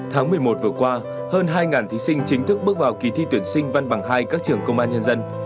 tháng một mươi một vừa qua hơn hai thí sinh chính thức bước vào kỳ thi tuyển sinh văn bằng hai các trường công an nhân dân